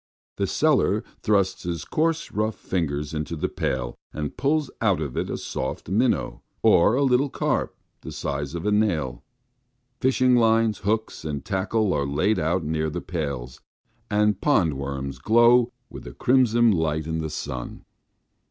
The seller thrusts his coarse rough fingers into the pail and pulls out of it a soft minnow, or a little carp, the size of a nail. Fishing lines, hooks, and tackle are laid out near the pails, and pond worms glow with a crimson light in the sun.